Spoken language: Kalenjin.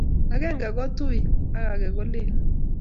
ag'enge ko tui ak age ko lel